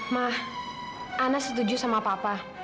mah ana setuju sama papa